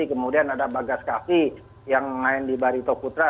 kemudian ada bagas kavi yang main di barito putra